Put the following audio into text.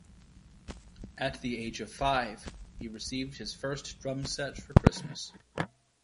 At the age of five he received his first drum set for Christmas.